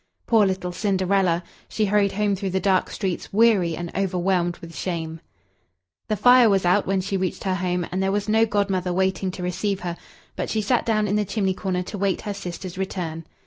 Poor little Cinderella! she hurried home through the dark streets, weary, and overwhelmed with shame. The fire was out when she reached her home, and there was no Godmother waiting to receive her; but she sat down in the chimney corner to wait her sisters' return.